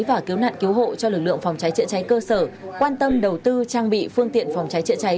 và cứu nạn cứu hộ cho lực lượng phòng cháy chữa cháy cơ sở quan tâm đầu tư trang bị phương tiện phòng cháy chữa cháy